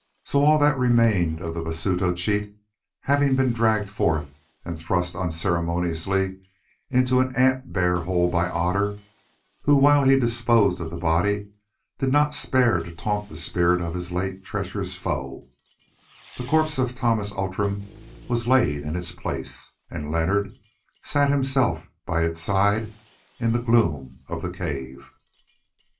So all that remained of the Basuto Cheat having been dragged forth and thrust unceremoniously into an ant bear hole by Otter, who while he disposed of the body did not spare to taunt the spirit of his late treacherous foe, the corpse of Thomas Outram was laid in its place, and Leonard sat himself by its side in the gloom of the cave.